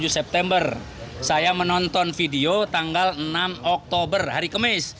tujuh september saya menonton video tanggal enam oktober hari kemis